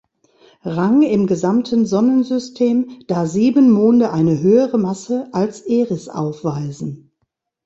Rang im gesamten Sonnensystem, da sieben Monde eine höhere Masse als Eris aufweisen.